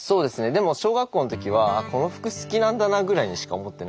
でも小学校の時はこの服好きなんだなぐらいにしか思ってなくて。